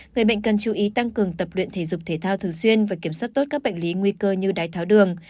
người bệnh cần chú ý tăng cường tập luyện thể dục thể thao thường xuyên và kiểm soát tốt các bệnh lý nguy cơ như đái tháo đường